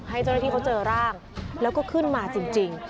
ให้เจ้าหน้าที่เขาเจอร่างแล้วก็ขึ้นมาจริง